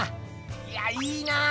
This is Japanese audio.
いやいいなぁ